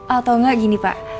atau gak gini pak